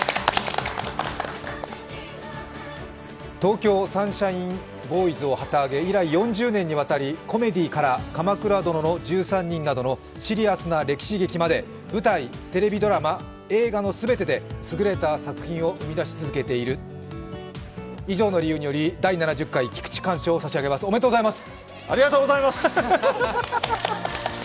東京サンシャインボーイズを旗揚げ、以来４０年にわたりコメディーから「鎌倉殿の１３人」などのシリアスな歴史劇まで舞台、テレビドラマ、映画の全てで優れた作品を生み出し続けている、以上の理由により第７０回菊池寛賞を差し上げます、おめでとうございます！